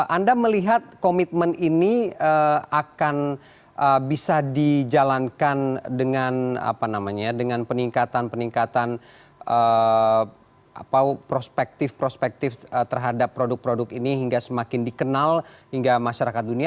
anda melihat komitmen ini akan bisa dijalankan dengan peningkatan peningkatan prospektif prospektif terhadap produk produk ini hingga semakin dikenal hingga masyarakat dunia